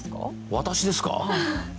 私ですか？